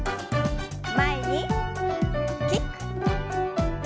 前にキック。